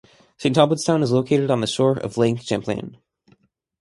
Saint Albans town is located on the shore of Lake Champlain.